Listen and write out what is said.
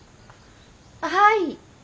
はい。